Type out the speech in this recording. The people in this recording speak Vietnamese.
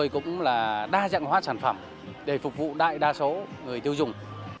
cũng là đa dạng hóa sản phẩm để phục vụ đại đa số người tiêu dùng